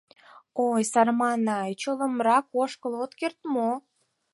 — Ой, сарманай, чулымрак ошкыл от керт мо?